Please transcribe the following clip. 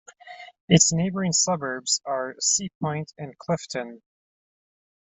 Its neighboring suburbs are Sea Point and Clifton.